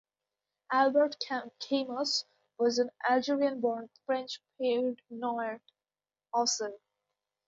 Albert Camus was an Algerian-born French Pied-Noir author.